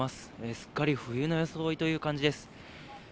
すっかり冬の装いという感じです。